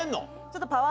ちょっと。